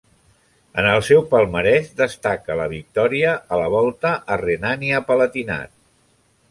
En el seu palmarès destaca la victòria a la Volta a Renània-Palatinat.